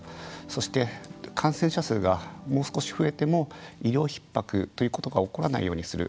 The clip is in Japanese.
そして、感染者数がもう少し増えても医療ひっ迫ということが起こらないようにする。